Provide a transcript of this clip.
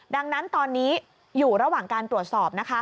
ดังนั้นตอนนี้อยู่ระหว่างการตรวจสอบนะคะ